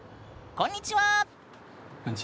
こんにちは。